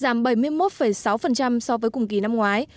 giảm bảy mươi một sáu so với cùng kỳ năm ngoái